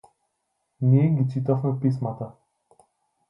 Ние ги читавме писмата.